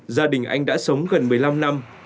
gia đình anh đã sống gần một mươi năm năm